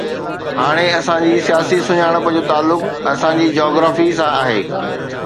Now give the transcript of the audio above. هاڻي اسان جي سياسي سڃاڻپ جو تعلق اسان جي جاگرافي سان آهي.